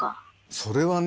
それはね